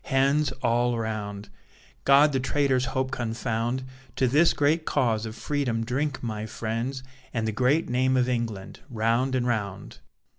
Hands all round! God the traitor's hope confound! To this great cause of Freedom drink, my friends, And the great name of England, round and round.